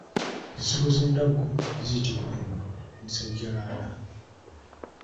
Ensigo z’endaggu ziyitibwa Nsajjalala.